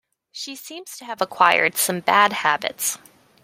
She seems to have acquired some bad habits